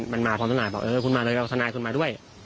มันมาพร้อมทนายบอกเออคุณมาเลยเอาทนายคุณมาด้วย